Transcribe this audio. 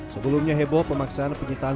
sebelumnya heboh pemaksaan penyitaan